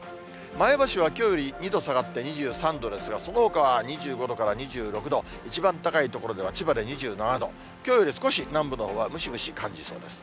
前橋はきょうより２度下がって２３度ですが、そのほかは２５度から２６度、一番高い所では千葉で２７度、きょうより少し南部のほうはムシムシ感じそうです。